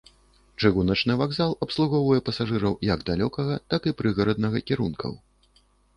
Чыгуначны вакзал абслугоўвае пасажыраў як далёкага, так і прыгараднага кірункаў.